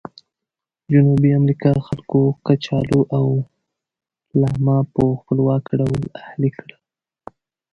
جنوبي امریکا خلکو کچالو او لاما په خپلواکه ډول اهلي کړل.